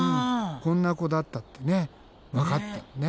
こんな子だったってわかったんだね。